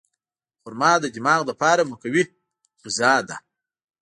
خرما د دماغ لپاره مقوي غذا ده.